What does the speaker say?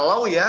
agak galau ya